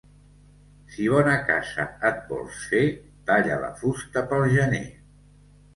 Si bona casa et vols fer, talla la fusta pel gener.